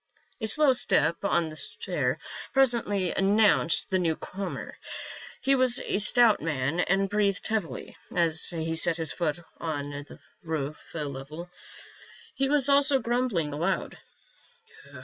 A slow step on the stair presently announced the new comer. He was a stout man and breathed heavily as he set his foot on the roof level. He was also grumbling aloud.